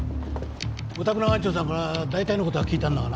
おたくの班長さんから大体の事は聞いたんだがな。